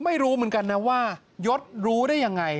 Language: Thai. ไม่รู้เหมือนกันนะว่ายศรู้ได้ยังไง